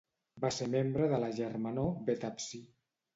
Va ser membre de la germanor Beta Psi.